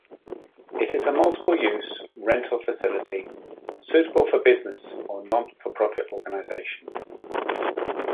It is a multiple-use rental facility suitable for business or not-for-profit organization.